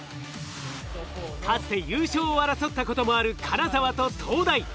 かつて優勝を争ったこともある金沢と東大。